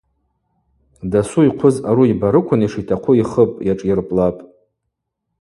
Дасу йхъвы зъару йбарыквын йшитахъу йхыпӏ, йашӏйырпӏлапӏ.